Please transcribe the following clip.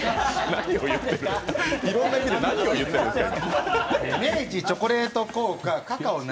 いろんな意味で、何を言ってるんですか？